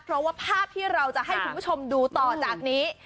เพราะว่าภาพที่เราจะให้คุณผู้ชมดูต่อจากนี้